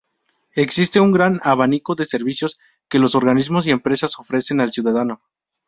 Existe un gran abanico de servicios que los Organismos y Empresas ofrecen al ciudadano.